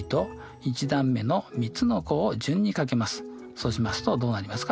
そうしますとどうなりますか？